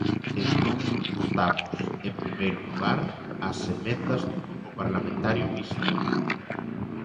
Entón, votamos, en primeiro lugar, as emendas do Grupo Parlamentario Mixto.